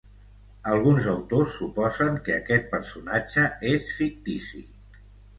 Alguns autors suposen que aquest personatge és fictici.